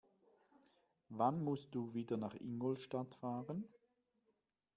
Wann musst du wieder nach Ingolstadt fahren?